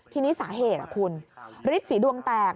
ทีนี้สาเหตุคุณฤทธิสีดวงแตก